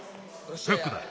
フックだ。